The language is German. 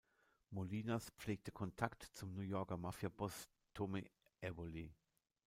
Molinas pflegte Kontakt zum New Yorker Mafiaboss Tommy Eboli.